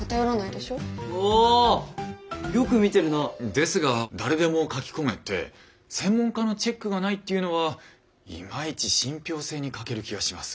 ですが誰でも書き込めて専門家のチェックがないっていうのはいまいち信ぴょう性に欠ける気がします。